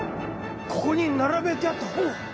ここに並べてあった本は？